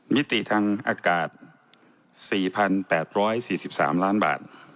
มิติทางอากาศ๔๘๔๓ล้านบาท